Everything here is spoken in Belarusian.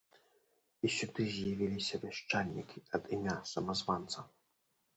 І сюды з'явіліся вяшчальнікі ад імя самазванца.